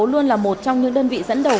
luôn là một trong những đơn vị dẫn đầu